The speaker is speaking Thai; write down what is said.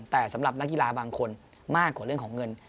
แต่สำหรับนักกีฬาบางคนมากกว่าเรื่องของเงิน